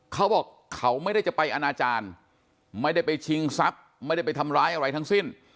เขาบอกเขาไม่ได้จะไปอนาจารย์ไม่ได้ไปชิงทรัพย์ไม่ได้ไปทำร้ายอะไรทั้งสิ้น